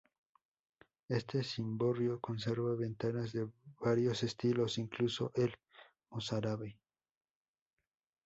Este cimborrio conserva ventanas de varios estilos, incluso el mozárabe.